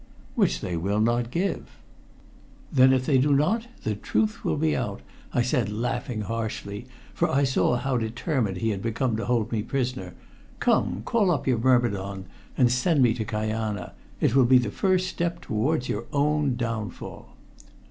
"Which they will not give." "Then if they do not, the truth will be out," I said laughing harshly, for I saw how determined he had become to hold me prisoner. "Come, call up your myrmidon and send me to Kajana. It will be the first step towards your own downfall."